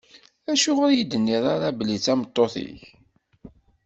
Acuɣer ur yi-d-tenniḍ ara belli d tameṭṭut-ik?